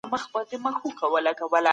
سرمایه داري د غریبانو ژوند سختوي.